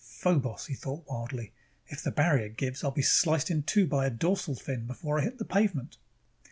Phobos! he thought wildly. _If the barrier gives, I'll be sliced in two by a dorsal fin before I hit the pavement!